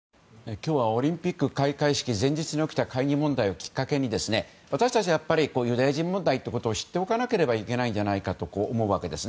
今日はオリンピック開会式前日に起きた解任問題をきっかけに私たちはやっぱりユダヤ人問題ということを知っておかなきゃいけないんじゃないかと思うんです。